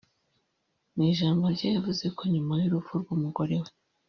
Mu ijambo rye yavuze ko nyuma y’urupfu rw’umugore we